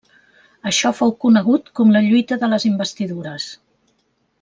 Això fou conegut com la lluita de les Investidures.